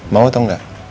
mau atau enggak